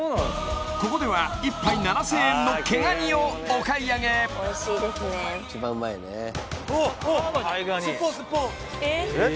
ここでは１杯７０００円の毛ガニをお買い上げあっ！